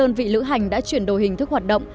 một số đơn vị lữ hành đã chuyển đổi hình thức hoạt động